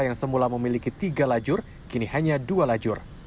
yang semula memiliki tiga lajur kini hanya dua lajur